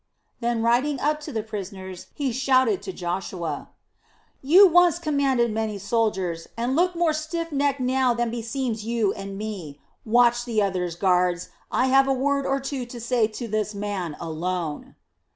Then riding up to the prisoners, he shouted to Joshua: "You once commanded many soldiers, and look more stiff necked now than beseems you and me. Watch the others, guards, I have a word or two to say to this man alone."